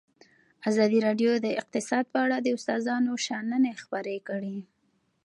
ازادي راډیو د اقتصاد په اړه د استادانو شننې خپرې کړي.